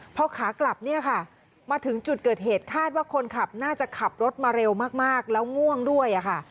พอขากลับเนี่ยค่ะมาถึงจุดเกิดเหตุคาดว่าคนขับน่าจะขับรถมาเร็วมากแล้วง่วงด้วยค่ะ